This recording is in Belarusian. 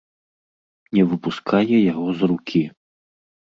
Не выпускае яго з рукі.